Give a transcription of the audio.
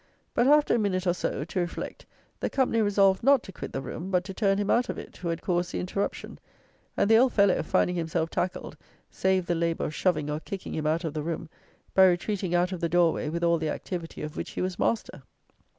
But, after a minute or so, to reflect, the company resolved not to quit the room but to turn him out of it who had caused the interruption; and the old fellow, finding himself tackled, saved the labour of shoving, or kicking, him out of the room, by retreating out of the door way with all the activity of which he was master.